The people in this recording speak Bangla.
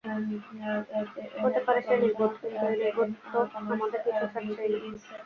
হতে পারে সে নির্বোধ, কিন্তু এই নির্বোধ তো আমাদের পিছু ছাড়ছেই না।